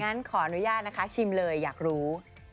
งั้นขออนุญาตนะคะชิมเลยอยากรู้